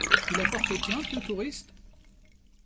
Il a porté plainte, le touriste ?